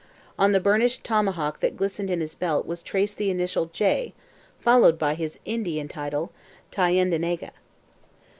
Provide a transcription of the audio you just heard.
On the burnished tomahawk that glistened in his belt was traced the initial 'J,' followed by his Indian title, 'Thayendanegea.'